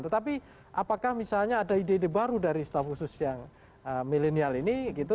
tetapi apakah misalnya ada ide ide baru dari staf khusus yang milenial ini gitu